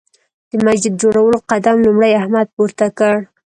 د مسجد جوړولو قدم لومړی احمد پورته کړ.